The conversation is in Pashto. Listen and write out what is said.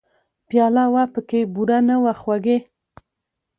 پیاله وه پکې بوره نه وه خوږې !